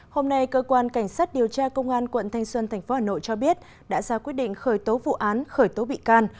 hôm nay cơ quan cảnh sát điều tra công an quận thanh xuân tp hà nội cho biết đã ra quyết định khởi tố vụ án khởi tố bị can